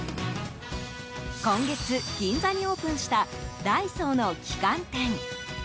今月、銀座にオープンしたダイソーの旗艦店。